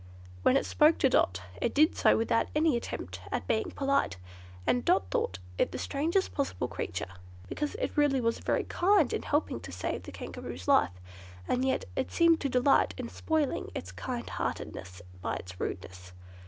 When it spoke to Dot, it did so without any attempt at being polite, and Dot thought it the strangest possible creature, because it was really very kind in helping to save the Kangaroo's life, and yet it seemed to delight in spoiling its kind heartedness by its rudeness.